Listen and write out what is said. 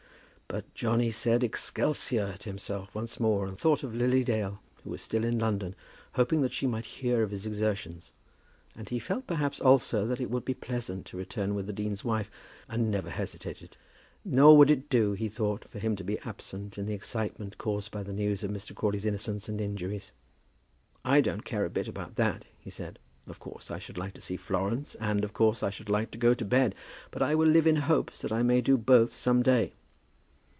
But Johnny said "Excelsior" to himself once more, and thought of Lily Dale, who was still in London, hoping that she might hear of his exertions; and he felt, perhaps, also, that it would be pleasant to return with a dean's wife, and never hesitated. Nor would it do, he thought, for him to be absent in the excitement caused by the news of Mr. Crawley's innocence and injuries. "I don't care a bit about that," he said. "Of course, I should like to see Florence, and, of course, I should like to go to bed; but I will live in hopes that I may do both some day."